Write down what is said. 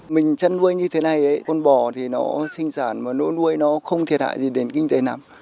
mình chăn nuôi như thế này con bò sinh sản nuôi nuôi không thiệt hại gì đến kinh tế nào